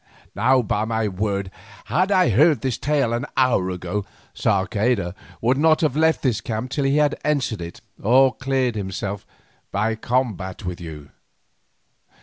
Now by my word, had I heard this tale an hour ago, Sarceda should not have left this camp till he had answered it or cleared himself by combat with you.